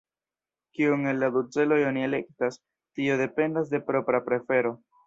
Kiun el la du celoj oni elektas, tio dependas de propra prefero.